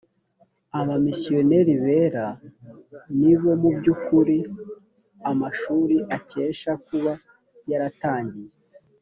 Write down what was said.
abamisiyoneri bera ni bo mu by’ukuri amashuri akesha kuba yaratangiye